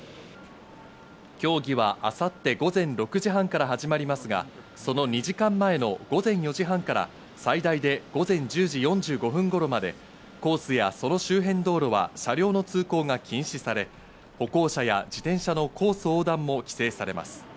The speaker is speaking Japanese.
競技は明後日、午前６時半から始まりますが、その２時間前の午前４時半から、最大で午前１０時４５分頃までコースや、その周辺道路は車両の通行が禁止され、歩行者や自転車のコースの横断も規制されます。